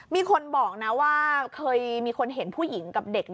มีคนบอกนะว่าเคยมีคนเห็นผู้หญิงกับเด็ก